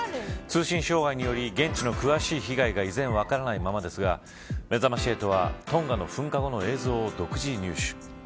通信障害により、現地の詳しい被害が依然、分からぬままですがめざまし８は、トンガの噴火後の映像を独自入手。